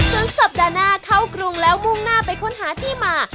ส่วนสัปดาห์หน้าเข้ากรุงแล้วมุ่งหน้าไปค้นหาที่มา